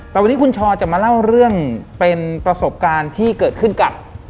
แต่วันนี้คุณชอจะมาเล่าเรื่องเป็นประสบการณ์ที่เกิดขึ้นกับ